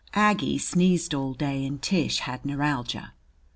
Aggie sneezed all day and Tish had neuralgia.